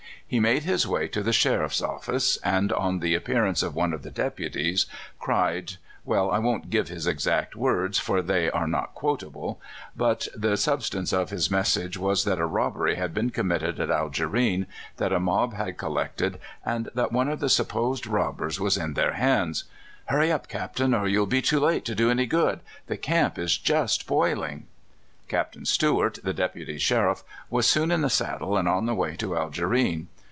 He made his way to the sheriff's office, and, on the appearance of one of the deputies, cried — well, I won't give his exact words, for they are not quotable; but the substance of his message was that a robbery had been committed at Alge rine, that a mob had collected, and that one of the supposed robbers was in their hands. '' Hurr}^ up, Captain, or you'll be too late to do any good — the camp is just boiling! " Capt. Stuart, the deputy sheriff, was soon in the saddle, and on the way to Algerine.